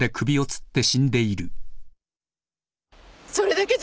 それだけじゃない。